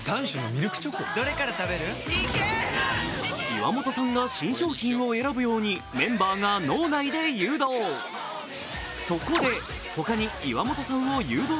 岩本さんが新商品を選ぶようにメンバーが脳内で誘導。